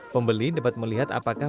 pembeli dapat melihat apakah